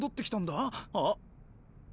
あっ。